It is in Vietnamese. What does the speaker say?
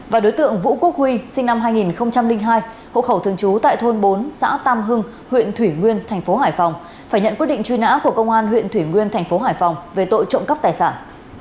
và đối tượng vũ quốc huy sinh năm hai nghìn hai hộ khẩu thường chú tại thôn bốn xã tam hưng huyện thủy nguyên tp hải phòng phải nhận quyết định truy nã của công an huyện thủy nguyên tp hải phòng về tội trộm cắp tài sản